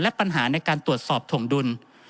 และปัญหาในการตรวจสอบถวงดุล